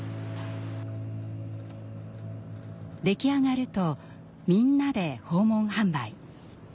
出来上がるとみんなで訪問販売。